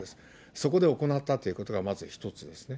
そこで行ったということがまず一つですね。